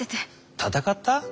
戦った？